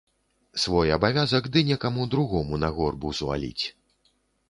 Свой абавязак ды некаму другому на горб узваліць.